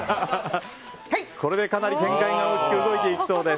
これでかなり展開が大きく動いていきそうです。